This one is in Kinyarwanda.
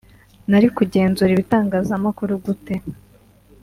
nari kugenzura ibitangazamakuru gute